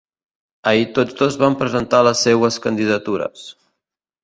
Ahir tots dos van presentar les seues candidatures.